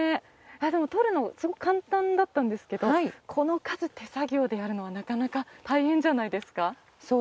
とるの簡単だったんですけどこの数、手作業でやるのはなかなか大変じゃないですか。